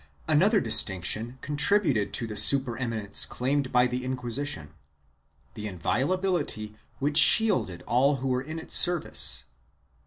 Another distinction contributed to the supereminence claimed by the Inquisition — the inviolability which shielded all who were in its service.